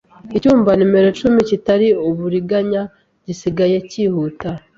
Icyumba nomero cumi kitari uburiganya gisigaye cyihuta